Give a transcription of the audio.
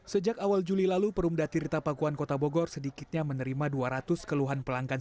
sejak awal juli lalu perumda tirta pakuan kota bogor sedikitnya menerima dua ratus keluhan pelanggan